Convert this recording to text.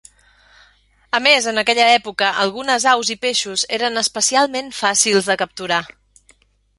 A més, en aquella època, algunes aus i peixos eren especialment fàcils de capturar.